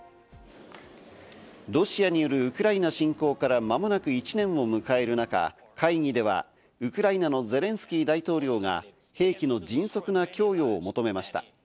ロシアによるウクライナ侵攻から間もなく１年を迎える中、会議ではウクライナのゼレンスキー大統領が兵器の迅速な供与を求めました。